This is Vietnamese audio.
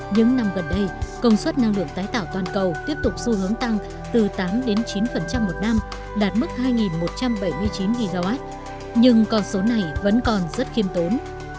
những năm gần đây công suất năng lượng tái tạo toàn cầu tiếp tục xu hướng tăng từ tám đến chín một năm đạt mức hai một trăm bảy mươi chín gigawatt nhưng con số này vẫn còn rất khiêm tốn